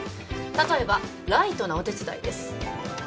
例えばライトなお手伝いです